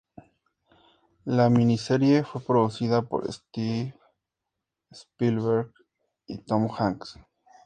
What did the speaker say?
La miniserie fue producida por Steven Spielberg y Tom Hanks.